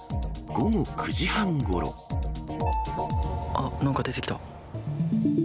あっ、なんか出てきた。